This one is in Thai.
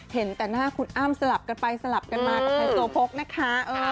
เห็นแต่หน้าคุณอ้ำสลับกันไปสลับกันมากับไฮโซโพกนะคะ